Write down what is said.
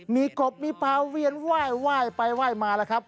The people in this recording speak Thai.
มีกบมีพาเวียนว่ายว่ายไปว่ายมาแล้วครับ